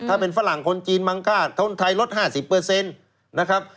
ถ้าเป็นฝรั่งคนจีนมังกล้าคนไทยลด๕๐เปอร์เซ็นต์นะครับ